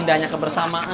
nanti ya bang